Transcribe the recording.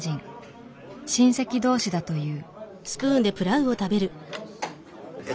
親戚同士だという。